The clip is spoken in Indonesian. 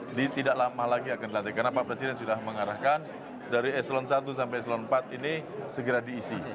ini tidak lama lagi akan dilatih karena pak presiden sudah mengarahkan dari eselon satu sampai eselon iv ini segera diisi